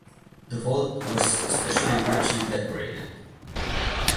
The vault was especially richly decorated.